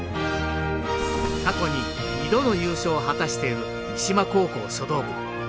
過去に２度の優勝を果たしている三島高校書道部。